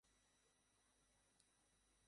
তার সন্তানদের মধ্য থেকে বারজন প্রধানের জন্ম হবে।